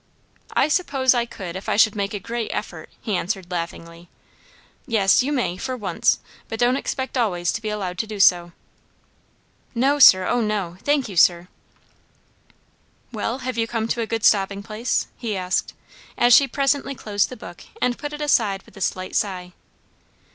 "I suppose I could if I should make a great effort," he answered laughingly. "Yes, you may, for once, but don't expect always to be allowed to do so." "No, sir, oh, no. Thank you, sir." "Well, have you come to a good stopping place?" he asked, as she presently closed the book and put it aside with a slight sigh.